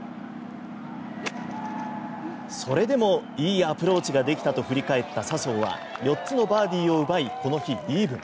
それでもいいアプローチができたと振り返った笹生は４つのバーディーを奪いこの日、イーブン。